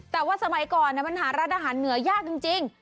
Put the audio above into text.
แต่ว่าสมัยก่อนมันหาร้านอาหารเหนือยากจริง